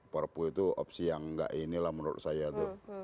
perpu itu opsi yang nggak ini lah menurut saya tuh